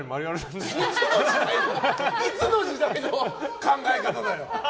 いつの時代の考え方だよ。